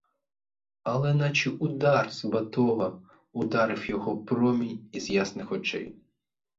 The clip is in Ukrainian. Але наче удар з батога, ударив його промінь із ясних очей.